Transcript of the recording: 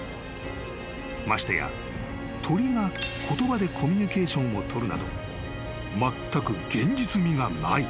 ［ましてや鳥が言葉でコミュニケーションを取るなどまったく現実味がない］